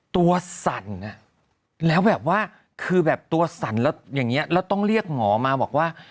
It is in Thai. สั่นแล้วแบบว่าคือแบบตัวสั่นแล้วอย่างนี้แล้วต้องเรียกหมอมาบอกว่า